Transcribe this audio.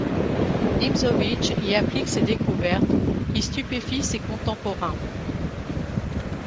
Nimzowitsch y applique ses découvertes qui stupéfient ses contemporains.